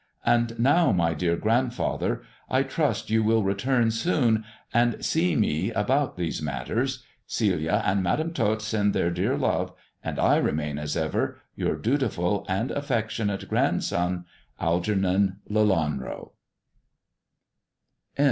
" And now, my dear grandfather, I trust you will return soon and see me about these matters. Celia and Madam Tot send their dear love, and I remain, as ever, Your dutiful and affectionate Grandson, "Algernon Lelaneo."